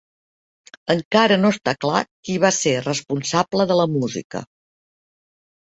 Encara no està clar qui va ser responsable de la música.